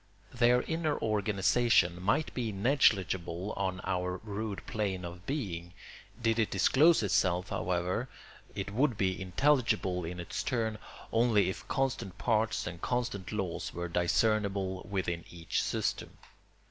Their inner organisation might be negligible on our rude plane of being; did it disclose itself, however, it would be intelligible in its turn only if constant parts and constant laws were discernible within each system.